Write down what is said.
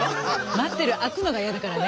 待ってる空くのが嫌だからね。